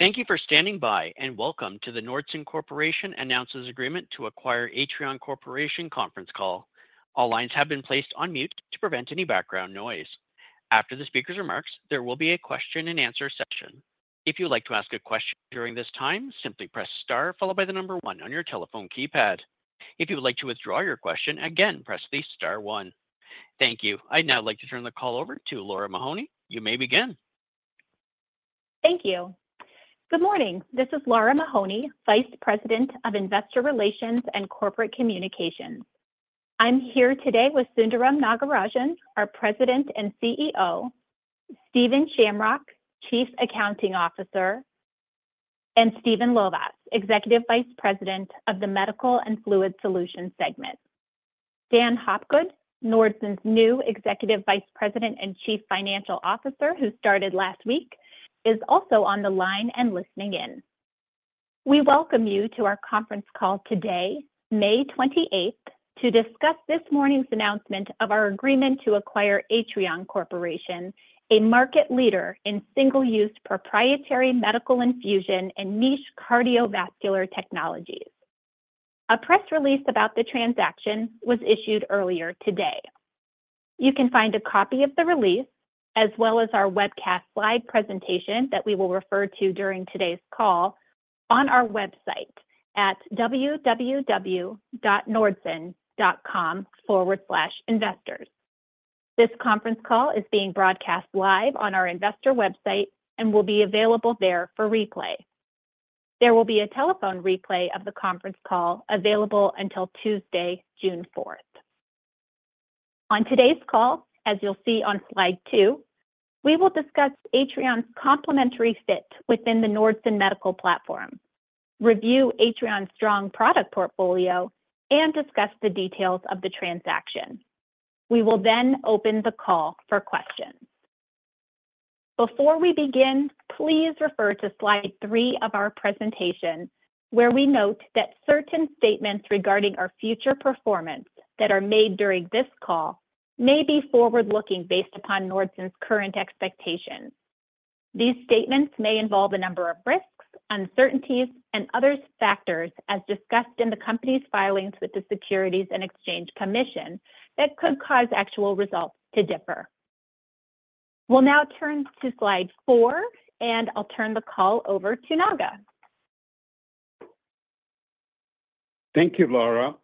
Thank you for standing by, and welcome to the Nordson Corporation Announces Agreement to Acquire Atrion Corporation Conference Call. All lines have been placed on mute to prevent any background noise. After the speaker's remarks, there will be a question and answer session. If you would like to ask a question during this time, simply press star followed by the number one on your telephone keypad. If you would like to withdraw your question, again, press the star one. Thank you. I'd now like to turn the call over to Lara Mahoney. You may begin. Thank you. Good morning. This is Lara Mahoney, Vice President of Investor Relations and Corporate Communications. I'm here today with Sundaram Nagarajan, our President and CEO; Stephen Shamrock, Chief Accounting Officer; and Stephen Lovass, Executive Vice President of the Medical and Fluid Solutions segment. Dan Hopgood, Nordson's new Executive Vice President and Chief Financial Officer, who started last week, is also on the line and listening in. We welcome you to our conference call today, May 28th, to discuss this morning's announcement of our agreement to acquire Atrion Corporation, a market leader in single-use proprietary medical infusion and niche cardiovascular technologies. A press release about the transaction was issued earlier today. You can find a copy of the release, as well as our webcast slide presentation that we will refer to during today's call, on our website at www.nordson.com/investors. This conference call is being broadcast live on our investor website and will be available there for replay. There will be a telephone replay of the conference call available until Tuesday, June 4. On today's call, as you'll see on slide two, we will discuss Atrion's complementary fit within the Nordson Medical platform, review Atrion's strong product portfolio, and discuss the details of the transaction. We will then open the call for questions. Before we begin, please refer to slide three of our presentation, where we note that certain statements regarding our future performance that are made during this call may be forward-looking based upon Nordson's current expectations. These statements may involve a number of risks, uncertainties, and other factors, as discussed in the company's filings with the Securities and Exchange Commission, that could cause actual results to differ. We'll now turn to slide four, and I'll turn the call over to Naga. Thank you, Lara.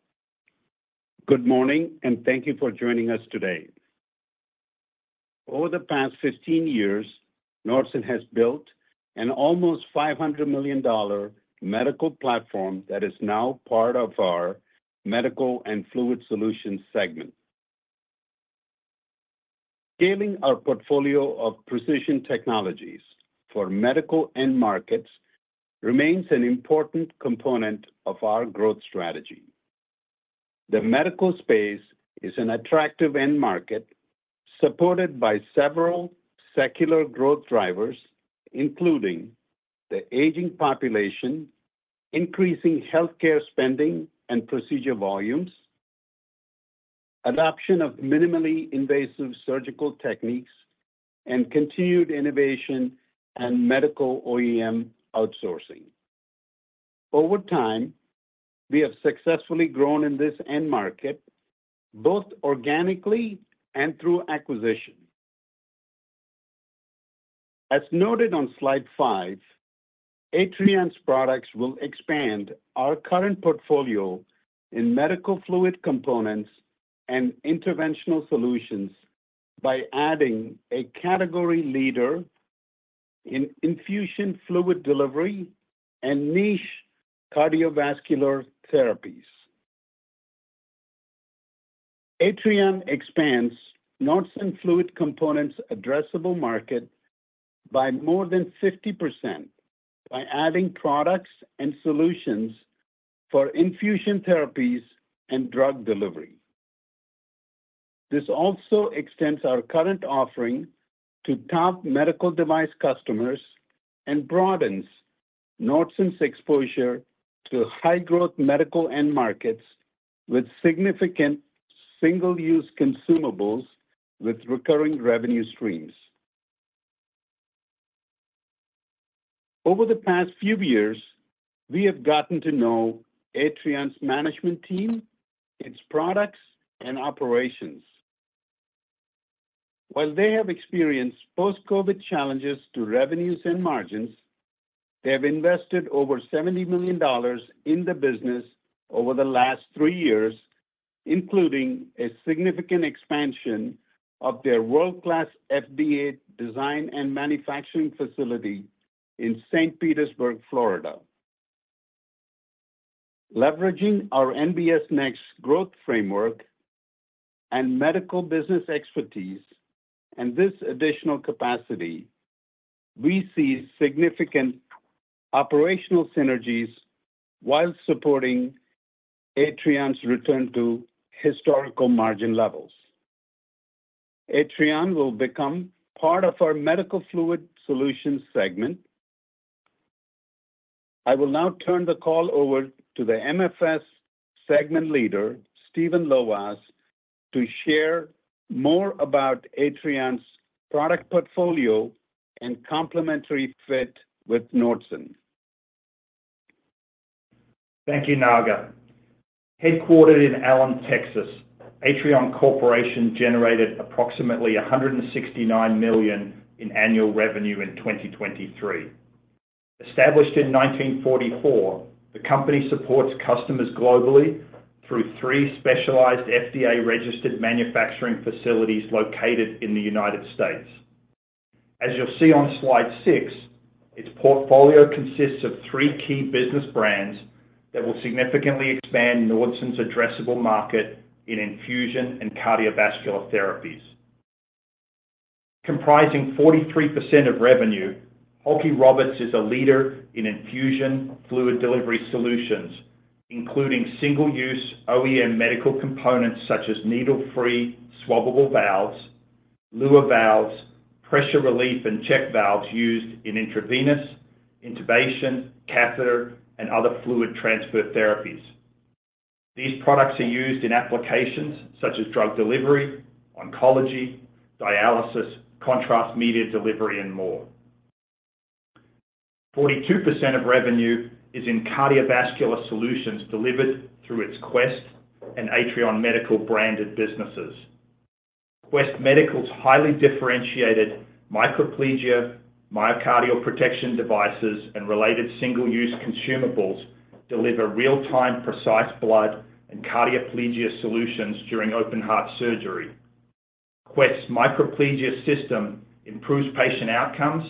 Good morning, and thank you for joining us today. Over the past 15 years, Nordson has built an almost $500 million medical platform that is now part of our Medical and Fluid Solutions segment. Scaling our portfolio of precision technologies for medical end markets remains an important component of our growth strategy. The medical space is an attractive end market, supported by several secular growth drivers, including the aging population, increasing healthcare spending and procedure volumes, adoption of minimally invasive surgical techniques, and continued innovation and medical OEM outsourcing. Over time, we have successfully grown in this end market, both organically and through acquisition. As noted on slide five, Atrion's products will expand our current portfolio in medical fluid components and interventional solutions by adding a category leader in infusion fluid delivery and niche cardiovascular therapies. Atrion expands Nordson fluid components addressable market by more than 50% by adding products and solutions for infusion therapies and drug delivery. This also extends our current offering to top medical device customers and broadens Nordson's exposure to high-growth medical end markets with significant single-use consumables with recurring revenue streams. Over the past few years, we have gotten to know Atrion's management team, its products, and operations. While they have experienced post-COVID challenges to revenues and margins, they have invested over $70 million in the business over the last three years, including a significant expansion of their world-class FDA design and manufacturing facility in St. Petersburg, Florida. Leveraging our NBS Next growth framework and medical business expertise and this additional capacity, we see significant operational synergies while supporting Atrion's return to historical margin levels. Atrion will become part of our Medical Fluid Solutions segment. I will now turn the call over to the MFS segment leader, Stephen Lovass, to share more about Atrion's product portfolio and complementary fit with Nordson. Thank you, Naga. Headquartered in Allen, Texas, Atrion Corporation generated approximately $169 million in annual revenue in 2023. Established in 1944, the company supports customers globally through three specialized FDA-registered manufacturing facilities located in the United States. As you'll see on slide 6, its portfolio consists of three key business brands that will significantly expand Nordson's addressable market in infusion and cardiovascular therapies. Comprising 43% of revenue, Halkey-Roberts is a leader in infusion fluid delivery solutions, including single-use OEM medical components such as needle-free swabable valves, Luer valves, pressure relief, and check valves used in intravenous, intubation, catheter, and other fluid transfer therapies. These products are used in applications such as drug delivery, oncology, dialysis, contrast media delivery, and more. 42% of revenue is in cardiovascular solutions delivered through its Quest and Atrion Medical branded businesses. Quest Medical's highly differentiated microplegia, myocardial protection devices, and related single-use consumables deliver real-time, precise blood and cardioplegia solutions during open heart surgery. Quest Microplegia System improves patient outcomes,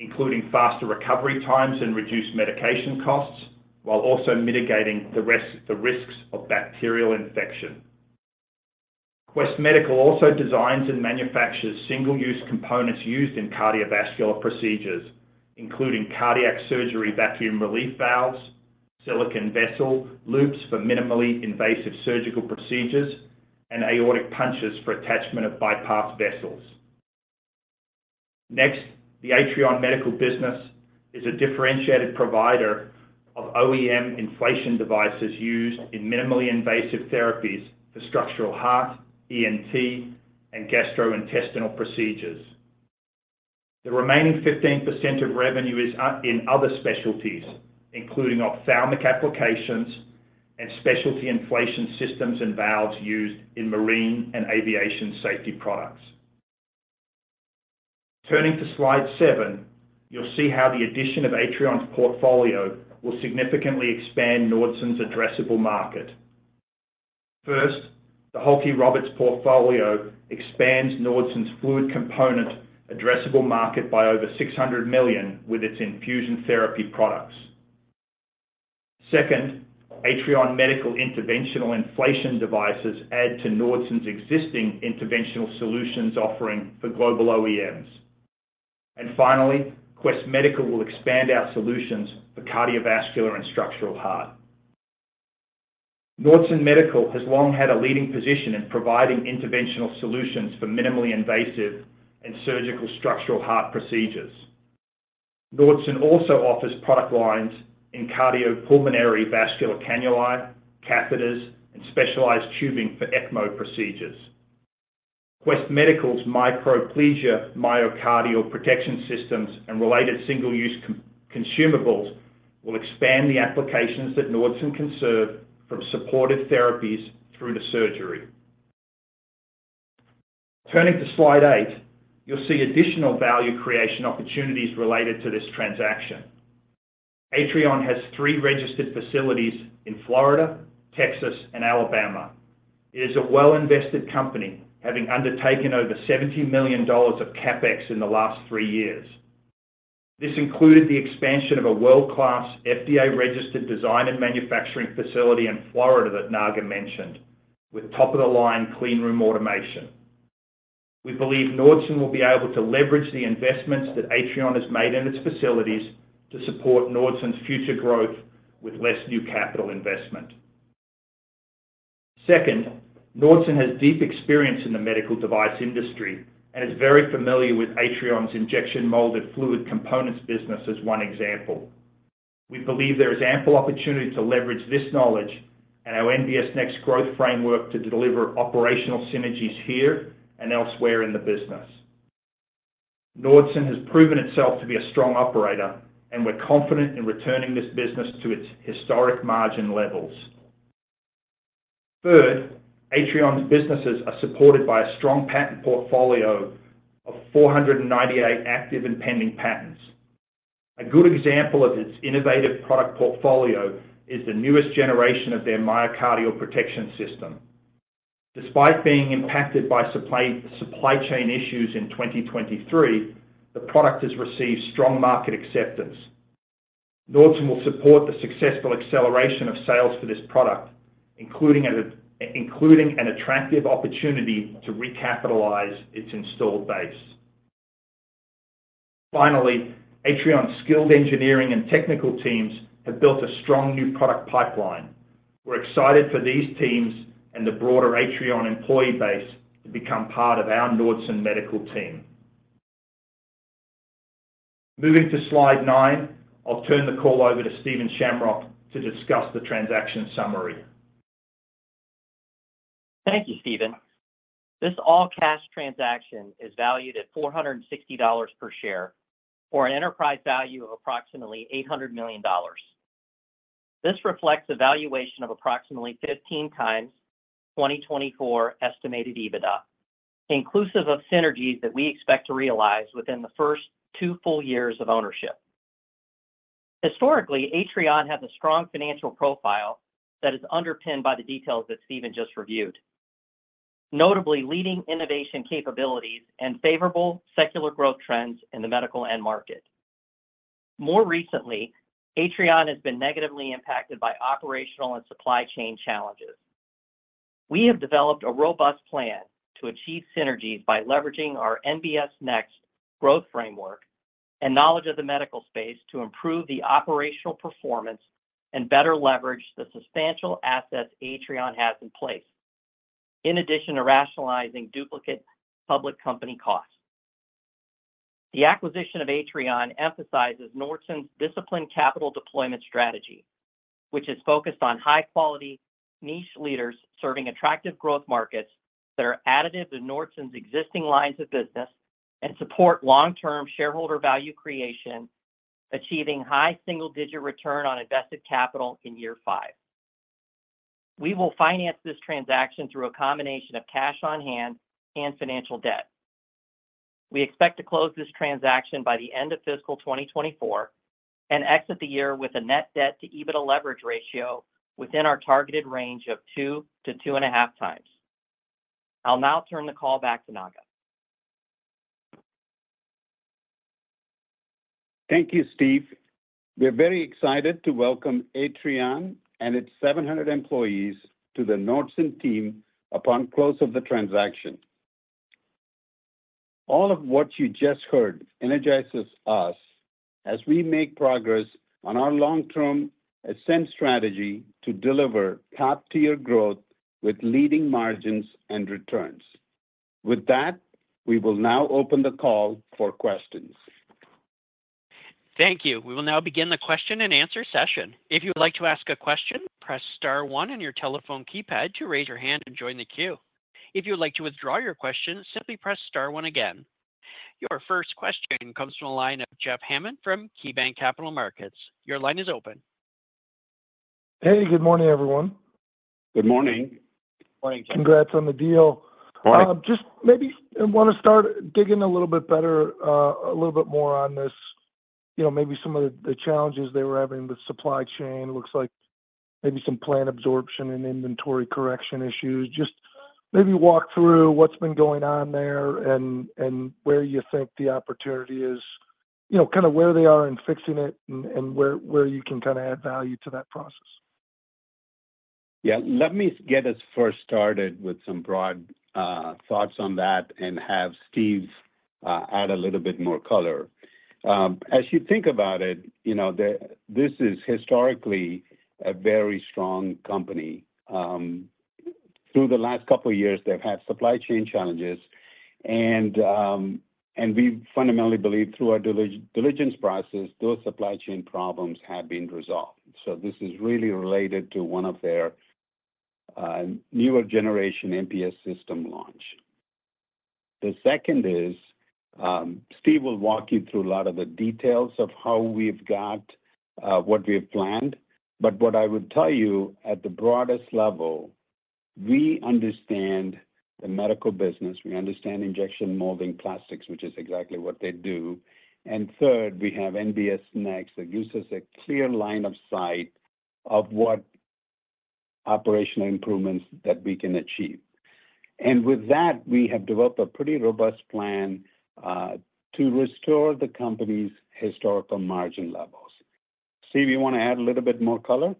including faster recovery times and reduced medication costs, while also mitigating the risk, the risks of bacterial infection. Quest Medical also designs and manufactures single-use components used in cardiovascular procedures, including cardiac surgery, vacuum relief valves, silicone vessel loops for minimally invasive surgical procedures, and aortic punches for attachment of bypass vessels. Next, the Atrion Medical business is a differentiated provider of OEM inflation devices used in minimally invasive therapies for structural heart, ENT, and gastrointestinal procedures. The remaining 15% of revenue is, in other specialties, including ophthalmic applications and specialty inflation systems and valves used in marine and aviation safety products. Turning to slide seven, you'll see how the addition of Atrion's portfolio will significantly expand Nordson's addressable market. First, the Halkey-Roberts portfolio expands Nordson's fluid component addressable market by over $600 million with its infusion therapy products. Second, Atrion Medical interventional inflation devices add to Nordson's existing interventional solutions offering for global OEMs. And finally, Quest Medical will expand our solutions for cardiovascular and structural heart. Nordson Medical has long had a leading position in providing interventional solutions for minimally invasive and surgical structural heart procedures. Nordson also offers product lines in cardiopulmonary vascular cannulae, catheters, and specialized tubing for ECMO procedures. Quest Medical's microplegia myocardial protection systems and related single-use consumables will expand the applications that Nordson can serve from supportive therapies through to surgery. Turning to slide eight, you'll see additional value creation opportunities related to this transaction. Atrion has three registered facilities in Florida, Texas, and Alabama. It is a well-invested company, having undertaken over $70 million of CapEx in the last three years. This included the expansion of a world-class, FDA-registered design and manufacturing facility in Florida that Naga mentioned, with top-of-the-line clean room automation. We believe Nordson will be able to leverage the investments that Atrion has made in its facilities to support Nordson's future growth with less new capital investment. Second, Nordson has deep experience in the medical device industry and is very familiar with Atrion's injection molded fluid components business as one example. We believe there is ample opportunity to leverage this knowledge and our NBS Next growth framework to deliver operational synergies here and elsewhere in the business. Nordson has proven itself to be a strong operator, and we're confident in returning this business to its historic margin levels. Third, Atrion's businesses are supported by a strong patent portfolio of 498 active and pending patents. A good example of its innovative product portfolio is the newest generation of their Myocardial Protection System. Despite being impacted by supply chain issues in 2023, the product has received strong market acceptance. Nordson will support the successful acceleration of sales for this product, including an attractive opportunity to recapitalize its installed base. Finally, Atrion's skilled engineering and technical teams have built a strong new product pipeline. We're excited for these teams and the broader Atrion employee base to become part of our Nordson Medical team.... Moving to slide 9, I'll turn the call over to Stephen Shamrock to discuss the transaction summary. Thank you, Stephen. This all-cash transaction is valued at $460 per share, for an enterprise value of approximately $800 million. This reflects a valuation of approximately 15 times 2024 estimated EBITDA, inclusive of synergies that we expect to realize within the first two full years of ownership. Historically, Atrion has a strong financial profile that is underpinned by the details that Stephen just reviewed. Notably, leading innovation capabilities and favorable secular growth trends in the medical end market. More recently, Atrion has been negatively impacted by operational and supply chain challenges. We have developed a robust plan to achieve synergies by leveraging our NBS Next growth framework and knowledge of the medical space to improve the operational performance and better leverage the substantial assets Atrion has in place, in addition to rationalizing duplicate public company costs. The acquisition of Atrion emphasizes Nordson's disciplined capital deployment strategy, which is focused on high quality niche leaders serving attractive growth markets that are additive to Nordson's existing lines of business and support long-term shareholder value creation, achieving high single-digit return on invested capital in year five. We will finance this transaction through a combination of cash on hand and financial debt. We expect to close this transaction by the end of fiscal 2024 and exit the year with a net debt to EBITDA leverage ratio within our targeted range of 2-2.5 times. I'll now turn the call back to Naga. Thank you, Steve. We are very excited to welcome Atrion and its 700 employees to the Nordson team upon close of the transaction. All of what you just heard energizes us as we make progress on our long-term ascend strategy to deliver top-tier growth with leading margins and returns. With that, we will now open the call for questions. Thank you. We will now begin the question and answer session. If you would like to ask a question, press star one on your telephone keypad to raise your hand and join the queue. If you would like to withdraw your question, simply press star one again. Your first question comes from the line of Jeff Hammond from KeyBank Capital Markets. Your line is open. Hey, good morning, everyone. Good morning. Good morning. Congrats on the deal. Right. Just maybe I wanna start digging a little bit better, a little bit more on this, you know, maybe some of the challenges they were having with supply chain. Looks like maybe some plant absorption and inventory correction issues. Just maybe walk through what's been going on there and where you think the opportunity is, you know, kinda where they are in fixing it and where you can kinda add value to that process. Yeah. Let me get us first started with some broad thoughts on that and have Steve add a little bit more color. As you think about it, you know, this is historically a very strong company. Through the last couple of years, they've had supply chain challenges, and we fundamentally believe through our diligence process, those supply chain problems have been resolved. So this is really related to one of their newer generation MPS system launch. The second is, Steve will walk you through a lot of the details of how we've got what we have planned. But what I would tell you, at the broadest level, we understand the medical business, we understand injection molding plastics, which is exactly what they do. And third, we have NBS Next that gives us a clear line of sight of what operational improvements that we can achieve. And with that, we have developed a pretty robust plan to restore the company's historical margin levels. Steve, you wanna add a little bit more color?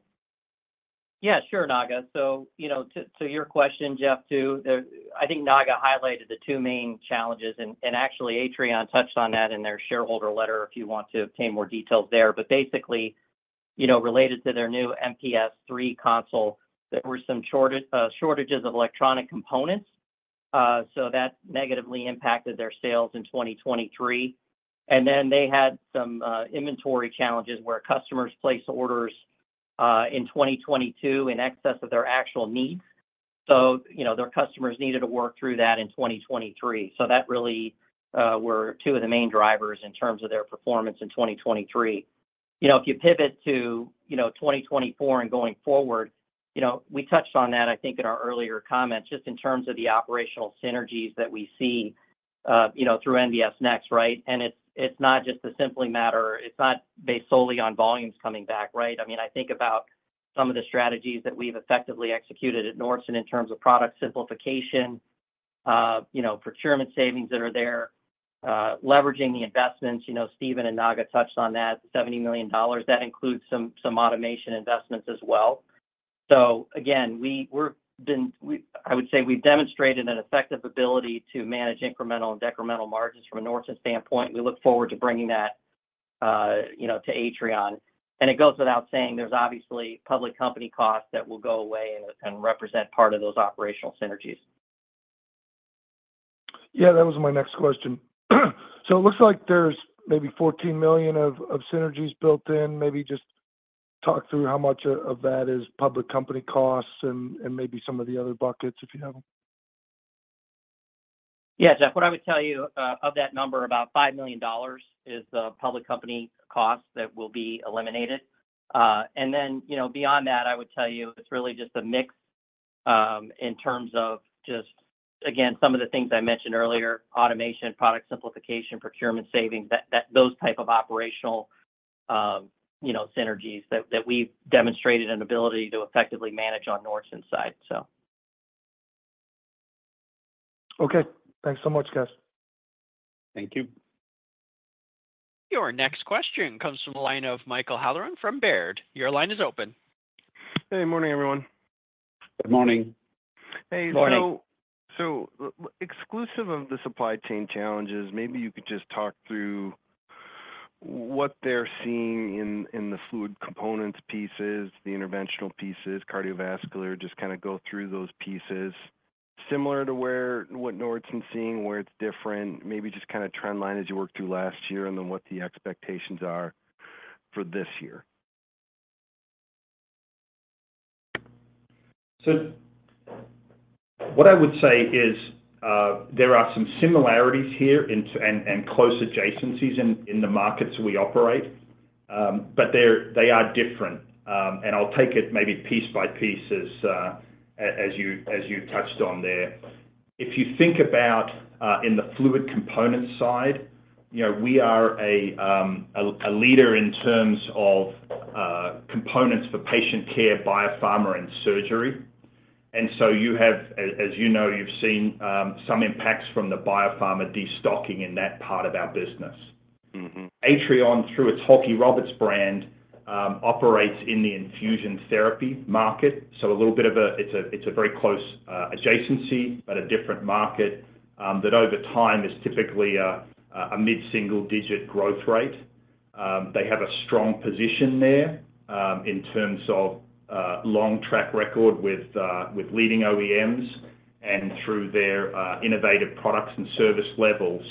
Yeah, sure, Naga. So, you know, to your question, Jeff, too, I think Naga highlighted the two main challenges, and actually, Atrion touched on that in their shareholder letter, if you want to obtain more details there. But basically, you know, related to their new MPS 3 console, there were some shortages of electronic components, so that negatively impacted their sales in 2023. And then they had some inventory challenges where customers placed orders in 2022 in excess of their actual needs. So, you know, their customers needed to work through that in 2023. So that really were two of the main drivers in terms of their performance in 2023. You know, if you pivot to 2024 and going forward, you know, we touched on that, I think, in our earlier comments, just in terms of the operational synergies that we see, you know, through NBSNext, right? And it's, it's not just a simply matter—it's not based solely on volumes coming back, right? I mean, I think about some of the strategies that we've effectively executed at Nordson in terms of product simplification, you know, procurement savings that are there, leveraging the investments. You know, Stephen and Naga touched on that $70 million. That includes some automation investments as well. So again, we've demonstrated an effective ability to manage incremental and decremental margins from a Nordson standpoint. We look forward to bringing that, you know, to Atrion. It goes without saying, there's obviously public company costs that will go away and represent part of those operational synergies. Yeah, that was my next question. So it looks like there's maybe $14 million of, of synergies built in. Maybe just talk through how much of, of that is public company costs and, and maybe some of the other buckets, if you have them? Yeah, Jeff, what I would tell you of that number, about $5 million is the public company cost that will be eliminated. And then, you know, beyond that, I would tell you, it's really just a mix in terms of just, again, some of the things I mentioned earlier, automation, product simplification, procurement savings, that those type of operational, you know, synergies that we've demonstrated an ability to effectively manage on Nordson's side, so. Okay. Thanks so much, guys. Thank you. Your next question comes from the line of Michael Halloran from Baird. Your line is open. Hey, morning, everyone. Good morning. Hey, so- Morning. So, exclusive of the supply chain challenges, maybe you could just talk through what they're seeing in the fluid components pieces, the interventional pieces, cardiovascular. Just kind of go through those pieces. Similar to where what Nordson's seeing, where it's different, maybe just kind of trend line as you worked through last year, and then what the expectations are for this year. So what I would say is, there are some similarities here, and close adjacencies in the markets we operate. But they're, they are different. And I'll take it maybe piece by piece as you touched on there. If you think about, in the fluid component side, you know, we are a leader in terms of components for patient care, biopharma, and surgery. And so you have as you know, you've seen, some impacts from the biopharma destocking in that part of our business. Mm-hmm. Atrion, through its Halkey-Roberts brand, operates in the infusion therapy market, so a little bit of a, it's a very close adjacency, but a different market, that over time is typically a mid-single-digit growth rate. They have a strong position there, in terms of long track record with leading OEMs and through their innovative products and service levels.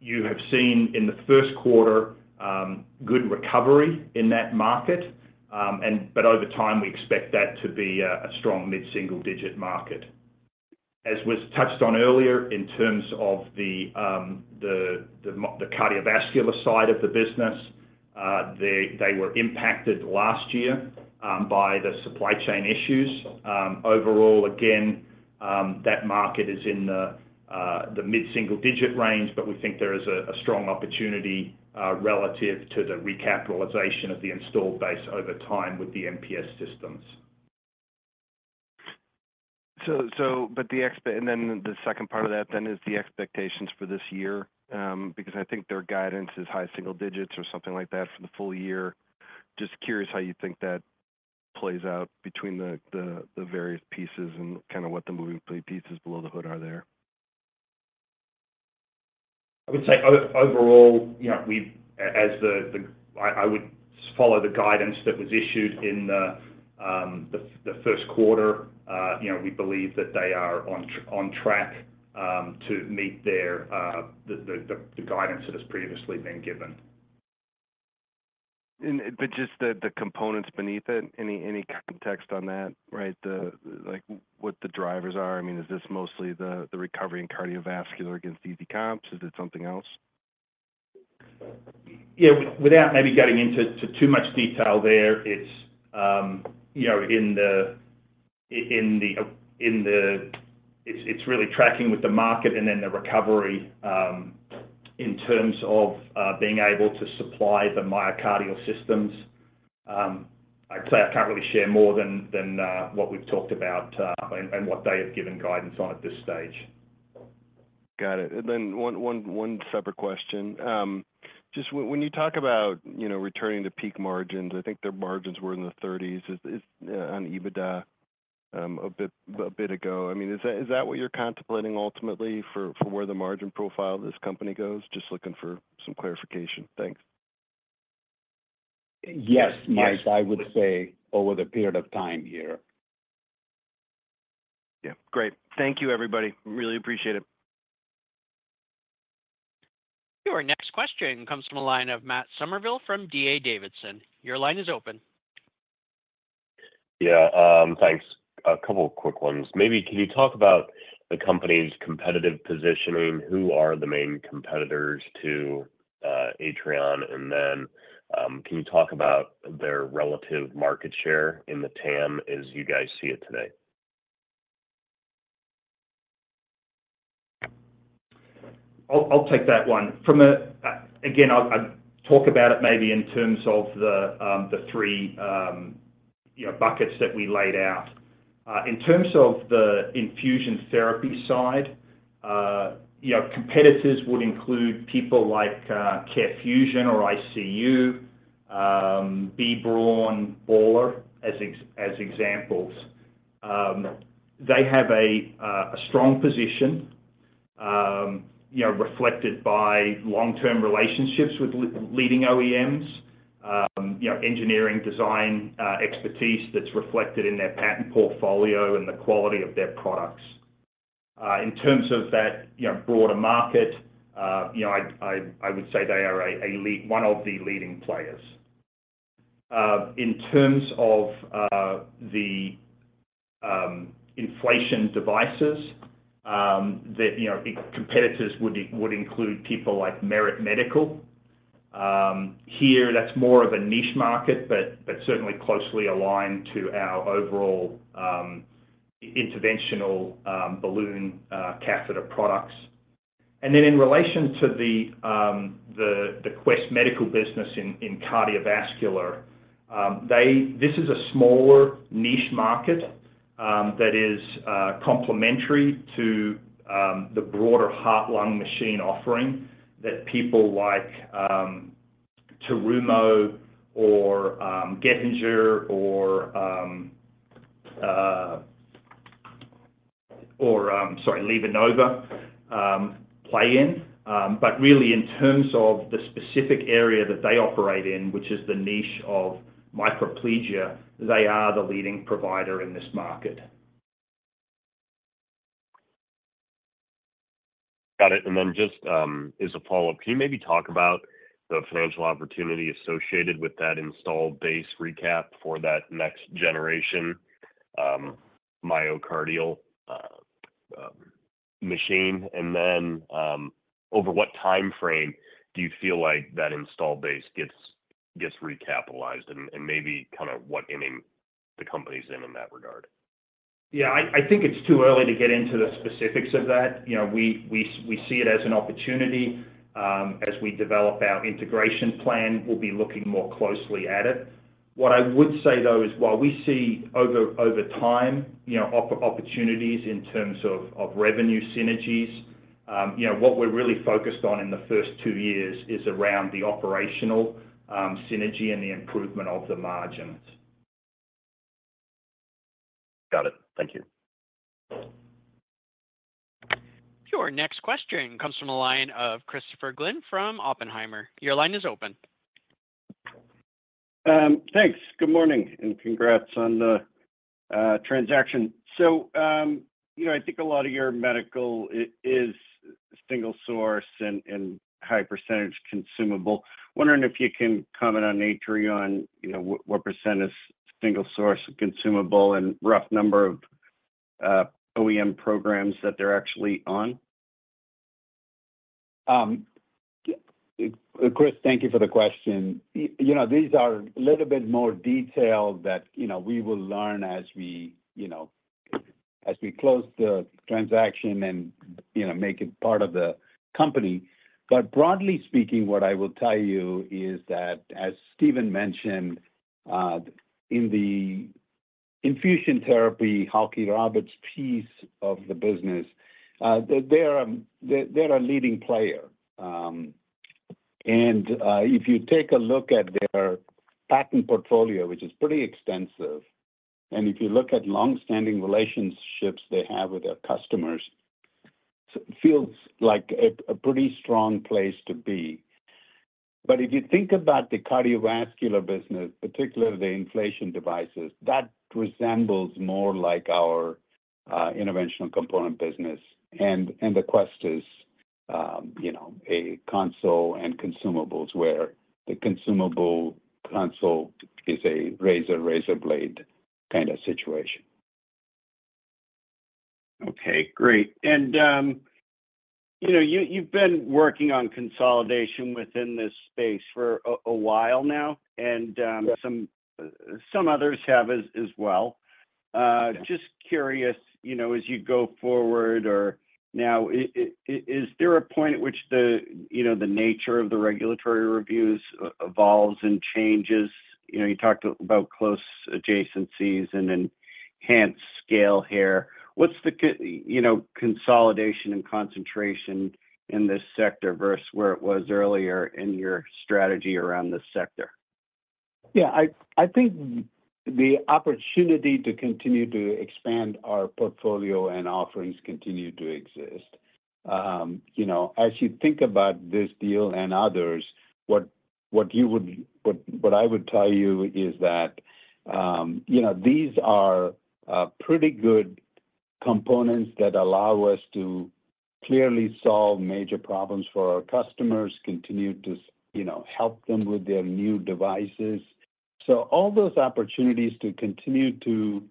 You have seen in the first quarter good recovery in that market, and but over time, we expect that to be a strong mid-single-digit market. As was touched on earlier in terms of the cardiovascular side of the business, they were impacted last year by the supply chain issues. Overall, again, that market is in the mid-single digit range, but we think there is a strong opportunity relative to the recapitalization of the installed base over time with the MPS systems. But the second part of that is the expectations for this year. Because I think their guidance is high single digits or something like that for the full year. Just curious how you think that plays out between the various pieces and kind of what the moving pieces below the hood are there? I would say overall, you know, I would follow the guidance that was issued in the first quarter. You know, we believe that they are on track to meet their guidance that has previously been given. But just the components beneath it, any context on that, right? Like, what the drivers are. I mean, is this mostly the recovery in cardiovascular against easy comps? Is it something else? Yeah, without maybe getting into too much detail there, it's, you know, it's really tracking with the market and then the recovery in terms of being able to supply the myocardial systems. I'd say I can't really share more than what we've talked about and what they have given guidance on at this stage. Got it. And then one separate question. Just when you talk about, you know, returning to peak margins, I think their margins were in the thirties, is on EBITDA a bit ago. I mean, is that what you're contemplating ultimately for where the margin profile of this company goes? Just looking for some clarification. Thanks. Yes, Mike, I would say over the period of time here. Yeah. Great. Thank you, everybody. Really appreciate it. Your next question comes from the line of Matt Somerville from D.A. Davidson. Your line is open. Yeah, thanks. A couple of quick ones. Maybe can you talk about the company's competitive positioning? Who are the main competitors to Atrion? And then, can you talk about their relative market share in the TAM as you guys see it today? I'll take that one. From a, again, I'll talk about it maybe in terms of the three, you know, buckets that we laid out. In terms of the infusion therapy side, you know, competitors would include people like CareFusion or ICU, B. Braun, Baxter, as examples. They have a strong position, you know, reflected by long-term relationships with leading OEMs. You know, engineering design expertise that's reflected in their patent portfolio and the quality of their products. In terms of that broader market, you know, I would say they are one of the leading players. In terms of the inflation devices, you know, competitors would include people like Merit Medical. Here, that's more of a niche market, but, but certainly closely aligned to our overall, interventional, balloon, catheter products. And then in relation to the, the Quest Medical business in, in cardiovascular, they-- this is a smaller niche market, that is, complementary to, the broader heart-lung machine offering, that people like, Terumo or, Getinge or, or, sorry, LivaNova, play in. But really in terms of the specific area that they operate in, which is the niche of microplegia, they are the leading provider in this market. Got it. And then just, as a follow-up, can you maybe talk about the financial opportunity associated with that installed base recap for that next generation, myocardial, machine? And then, over what time frame do you feel like that installed base gets recapitalized, and maybe kind of what inning the company's in in that regard? Yeah, I think it's too early to get into the specifics of that. You know, we see it as an opportunity. As we develop our integration plan, we'll be looking more closely at it. What I would say, though, is while we see over time, you know, opportunities in terms of revenue synergies, you know, what we're really focused on in the first two years is around the operational synergy and the improvement of the margins. Got it. Thank you. Your next question comes from the line of Christopher Glynn from Oppenheimer. Your line is open. Thanks. Good morning, and congrats on the transaction. So, you know, I think a lot of your medical is single source and high percentage consumable. Wondering if you can comment on Atrion, you know, what percent is single source consumable and rough number of OEM programs that they're actually on? Chris, thank you for the question. You know, these are a little bit more detailed than, you know, we will learn as we, you know, as we close the transaction and, you know, make it part of the company. But broadly speaking, what I will tell you is that, as Stephen mentioned, in the infusion therapy, Halkey-Roberts piece of the business, they're a leading player. And if you take a look at their patent portfolio, which is pretty extensive, and if you look at long-standing relationships they have with their customers, it feels like a pretty strong place to be. But if you think about the cardiovascular business, particularly the inflation devices, that resembles more like our interventional component business. The Quest is, you know, a console and consumables, where the consumable console is a razor-razor blade kind of situation. Okay, great. You know, you've been working on consolidation within this space for a while now, and- Yes... some others have as well. Just curious, you know, as you go forward or now, is there a point at which the, you know, the nature of the regulatory reviews evolves and changes? You know, you talked about close adjacencies and enhanced scale here. What's the, you know, consolidation and concentration in this sector versus where it was earlier in your strategy around this sector? Yeah, I think the opportunity to continue to expand our portfolio and offerings continue to exist. You know, as you think about this deal and others, what I would tell you is that, you know, these are pretty good components that allow us to clearly solve major problems for our customers, continue to, you know, help them with their new devices. So all those opportunities to continue to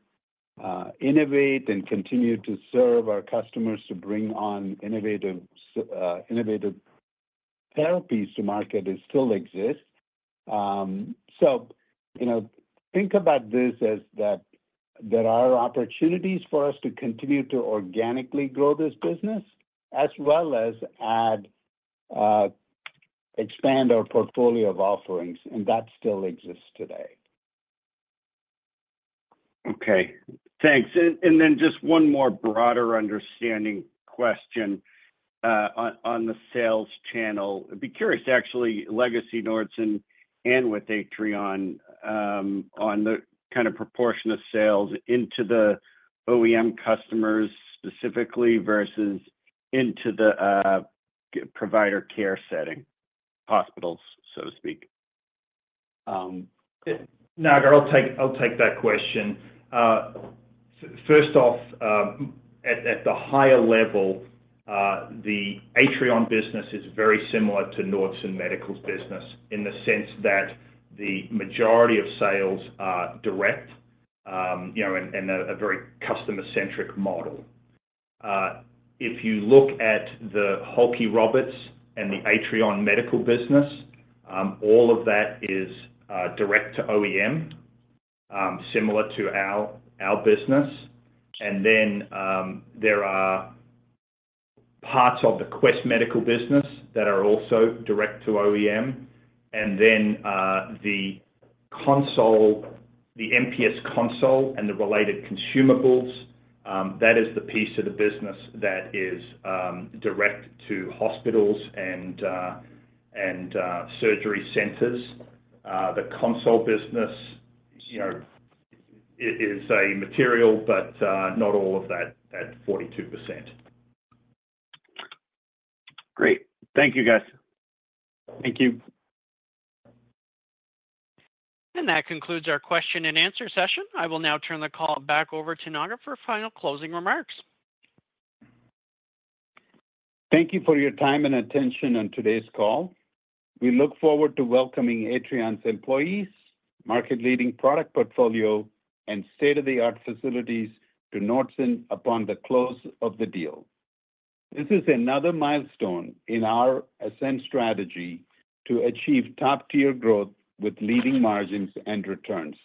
innovate and continue to serve our customers, to bring on innovative therapies to market, they still exist. So, you know, think about this as that there are opportunities for us to continue to organically grow this business as well as add, expand our portfolio of offerings, and that still exists today. Okay, thanks. And then just one more broader understanding question on the sales channel. I'd be curious, actually, legacy Nordson and with Atrion, on the kind of proportion of sales into the OEM customers specifically versus into the provider care setting.... hospitals, so to speak. Naga, I'll take that question. First off, at the higher level, the Atrion business is very similar to Nordson Medical's business in the sense that the majority of sales are direct, you know, and a very customer-centric model. If you look at the Halkey-Roberts and the Atrion Medical business, all of that is direct to OEM, similar to our business. And then, there are parts of the Quest Medical business that are also direct to OEM, and then the console, the MPS console and the related consumables, that is the piece of the business that is direct to hospitals and surgery centers. The console business, you know, it is a material, but not all of that, at 42%. Great. Thank you, guys. Thank you. That concludes our question and answer session. I will now turn the call back over to Naga for final closing remarks. Thank you for your time and attention on today's call. We look forward to welcoming Atrion's employees, market-leading product portfolio, and state-of-the-art facilities to Nordson upon the close of the deal. This is another milestone in our Ascend strategy to achieve top-tier growth with leading margins and returns.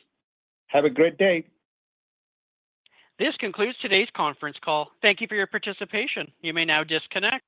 Have a great day! This concludes today's conference call. Thank you for your participation. You may now disconnect.